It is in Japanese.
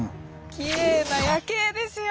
きれいな夜景ですよ！